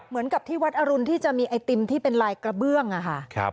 เหมือนกับที่วัดอรุณที่จะมีไอติมที่เป็นลายกระเบื้องอะค่ะ